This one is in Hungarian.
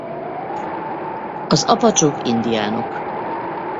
Az apacsok indiánok.